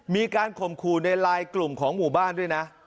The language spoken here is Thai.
มีการข่มขู่ในไลน์กลุ่มของหมู่บ้านด้วยนะ